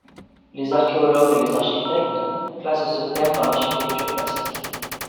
Les archéologues et les architectes classent ce terme dans l'architecture classique.